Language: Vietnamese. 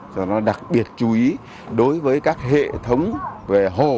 do nó đặc biệt chú ý đối với các hệ thống về hồ